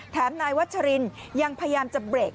นายวัชรินยังพยายามจะเบรก